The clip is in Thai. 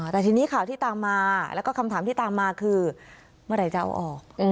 แต่ทีนี้ข่าวที่ตามมาแล้วก็คำถามที่ตามมาคือเมื่อไหร่จะเอาออก